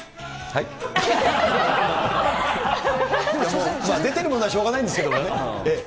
いやもう、出てるものはしょうがないんですけどね。